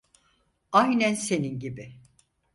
Aynen senin gibi.